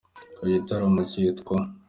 Icyo gitaramo kitwa